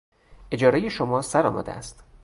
اجارهی شما سر آمده است.